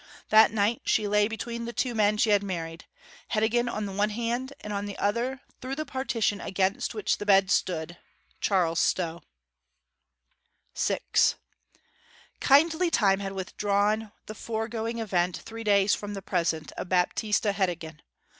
That night she lay between the two men she had married Heddegan on the one hand, and on the other through the partition against which the bed stood, Charles Stow. VI Kindly time had withdrawn the foregoing event three days from the present of Baptista Heddegan.